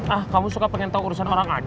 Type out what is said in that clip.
ah kamu suka pengen tahu urusan orang aja